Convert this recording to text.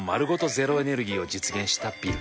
ゼロエネルギーを実現したビル。